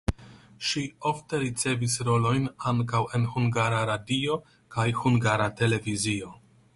Ŝi ofte ricevis rolojn ankaŭ en Hungara Radio kaj Hungara Televizio.